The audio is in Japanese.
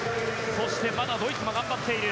そしてドイツも頑張っている。